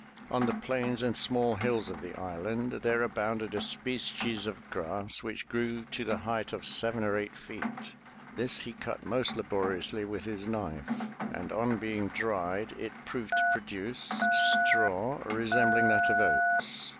On the plains and small hills of the island there abounded a species of grass which grew to the height of seven or eight feet. This he cut most laboriously with his knife, and, on being dried, it proved to produce straw resembling that of oats.